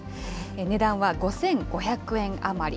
値段は５５００円余り。